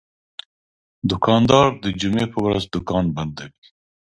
دوکاندار د جمعې ورځ دوکان بندوي.